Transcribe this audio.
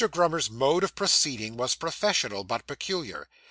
Grummer's mode of proceeding was professional, but peculiar.